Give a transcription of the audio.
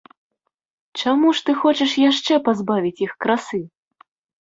Чаму ж ты хочаш яшчэ пазбавіць іх красы!